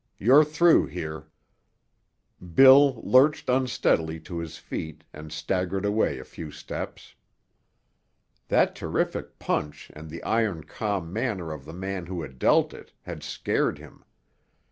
You're through here." Bill lurched unsteadily to his feet and staggered away a few steps. That terrific punch and the iron calm manner of the man who had dealt it had scared him.